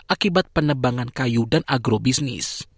akibat penebangan kayu dan agrobisnis